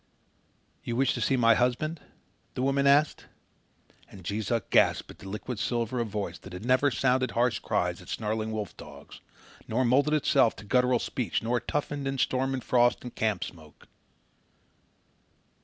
"You wish to see my husband?" the woman asked; and Jees Uck gasped at the liquid silver of a voice that had never sounded harsh cries at snarling wolf dogs, nor moulded itself to a guttural speech, nor toughened in storm and frost and camp smoke.